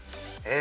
え